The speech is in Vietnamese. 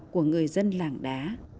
của người dân làng đá